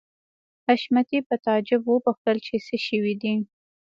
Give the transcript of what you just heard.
حشمتي په تعجب وپوښتل چې څه شوي دي